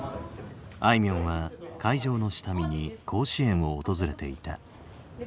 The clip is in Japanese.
あいみょんは会場の下見に甲子園を訪れていた。